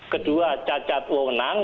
kedua cacat wawonang